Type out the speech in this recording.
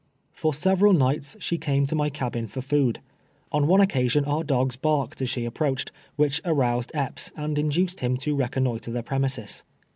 For several nights she came to my cabin for food. On one occasion our dogs barked as she approached, which aroused Ep})s, and induce*! him to reconnoitre the premises.